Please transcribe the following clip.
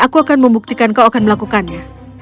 aku akan membuktikan kau akan melakukannya